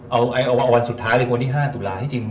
เอาวันสุดท้ายเลยวันที่๕ตุลาที่จริง